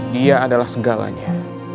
dia adalah segalanya